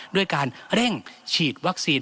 ด้วยการเร่งฉีดวัคซีน